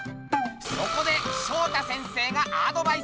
そこでショウタ先生がアドバイス！